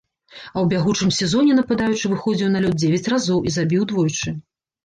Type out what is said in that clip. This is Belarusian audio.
А ў бягучым сезоне нападаючы выходзіў на лёд дзевяць разоў і забіў двойчы.